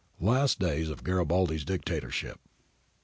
[Last days of Garibaldi's Dictatorship.